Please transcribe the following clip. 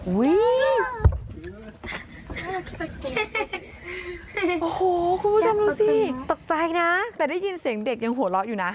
โอ้โหคุณผู้ชมดูสิตกใจนะแต่ได้ยินเสียงเด็กยังหัวเราะอยู่นะ